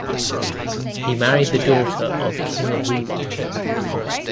He married the daughter of king of Rewa.